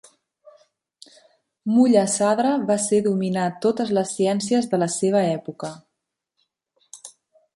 Mulla Sadra va ser dominar totes les ciències de la seva època.